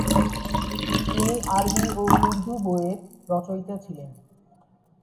তিনি আরবি ও উর্দু বইয়ের রচয়িতা ছিলেন।